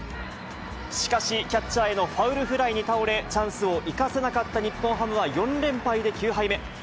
しかしキャッチャーへのファウルフライに倒れ、チャンスを生かせなかった日本ハムは４連敗で９敗目。